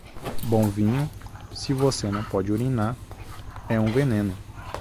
Bom vinho, se você não pode urinar, é um veneno.